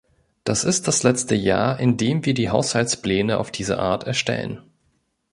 Das ist das letzte Jahr, in dem wir die Haushaltspläne auf diese Art erstellen.